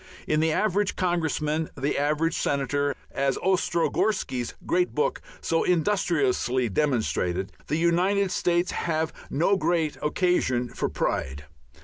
In the average congressman, in the average senator, as Ostrogorski's great book so industriously demonstrated, the United States have no great occasion for pride.